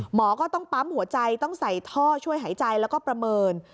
หมอก็ต้องปั๊มหัวใจต้องใส่ท่อช่วยหายใจแล้วก็ประเมิน